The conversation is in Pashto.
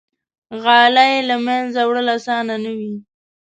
غالۍ له منځه وړل آسانه نه وي.